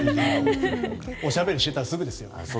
おしゃべりしてたらすぐですよ。